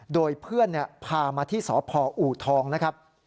โดยเพื่อนพามาที่สพอูทองนะครับ